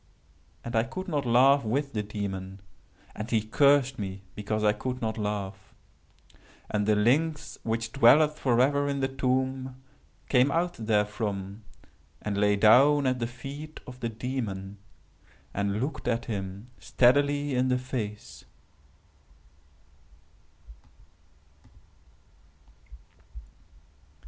And I could not laugh with the Demon, and he cursed me because I could not laugh. And the lynx which dwelleth forever in the tomb, came out therefrom, and lay down at the feet of the Demon, and looked at him steadily in the face.